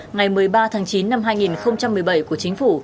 ngày một mươi ba tháng chín năm hai nghìn một mươi bảy của chính phủ